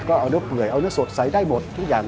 ก็เอาเนื้อเปื่อยเอาเนื้อสดใสได้หมดทุกอย่าง